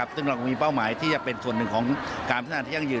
ซึ่งเราก็มีเป้าหมายที่จะเป็นส่วนหนึ่งของการพัฒนาที่ยั่งยืน